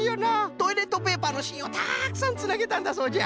トイレットペーパーのしんをたくさんつなげたんだそうじゃ。